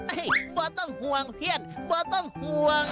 เฮ้ยบอกต้องห่วงเพื่อนบอกต้องห่วง